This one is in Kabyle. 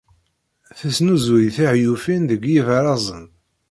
Tesnuzuy tihyufin deg yibarazen.